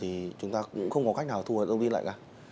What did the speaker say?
thì chúng ta cũng không có cách nào thu hồi thông tin lại cả